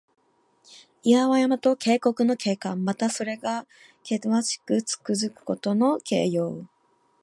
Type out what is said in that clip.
岩山と渓谷の景観。また、それがけわしくつづくことの形容。